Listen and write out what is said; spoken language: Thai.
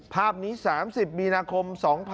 ภาพนี้๓๐มีนาคม๒๕๖๒